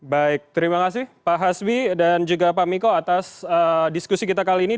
baik terima kasih pak hasbi dan juga pak miko atas diskusi kita kali ini